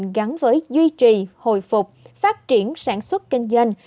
trung ương đặc biệt nhấn mạnh gắn với duy trì hồi phục phát triển sản xuất kinh doanh